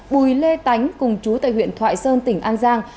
bùi lê tánh cùng chú tại huyện thoại sơn tỉnh an giang